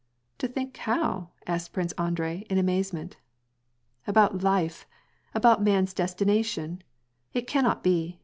" To think how ?" asked Prince Andrei in amazement. '^ About life, about man's destination. It cannot be.